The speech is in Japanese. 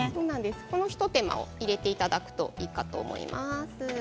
この一手間を入れていただくといいと思います。